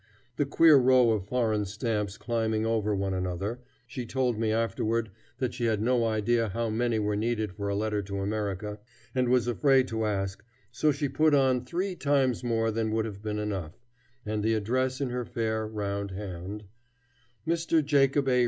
The queer row of foreign stamps climbing over one another she told me afterward that she had no idea how many were needed for a letter to America, and was afraid to ask, so she put on three times more than would have been enough and the address in her fair round hand, Mr. Jacob A.